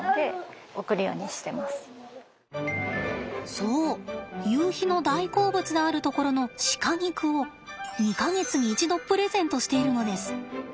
そうゆうひの大好物であるところの鹿肉を２か月に一度プレゼントしているのです。